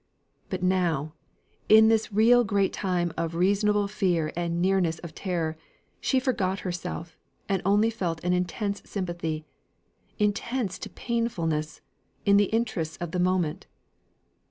But now, in this real great time of reasonable fear and nearness of terror, she forgot herself, and felt only an intense sympathy intense to painfulness in the interests of the moment.